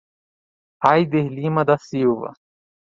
Ayder Lima da Silva